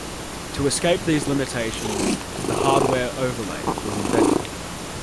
To escape these limitations, the hardware overlay was invented.